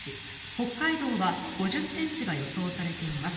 北海道は５０ｃｍが予想されています。